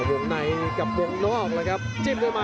โหโหโหโหโหโหโหโหโหโหโหโหโหโหโห